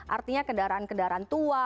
artinya kendaraan kendaraan tua